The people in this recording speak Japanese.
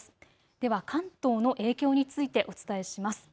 では関東の影響についてお伝えします。